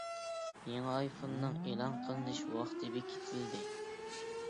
يېڭى ئايفوننىڭ ئېلان قىلىنىش ۋاقتى بېكىتىلدى.